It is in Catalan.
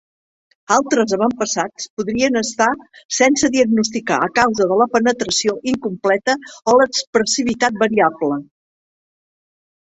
Altres avantpassats podrien estar sense diagnosticar a causa de la penetració incompleta o l'expressivitat variable.